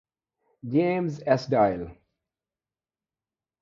James Esdaile.